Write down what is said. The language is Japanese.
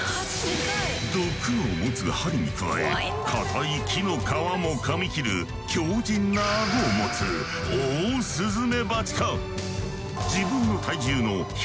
毒を持つ針に加えかたい木の皮もかみ切る強靭なアゴを持つオオスズメバチか！